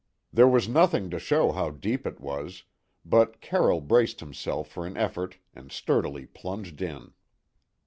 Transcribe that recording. There was nothing to show how deep it was, but Carroll braced himself for an effort and sturdily plunged in.